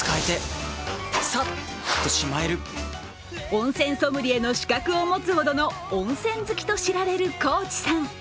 温泉ソムリエの資格を持つほどの温泉好きと知られる高地さん。